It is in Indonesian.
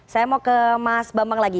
saya mau ke mas bambang lagi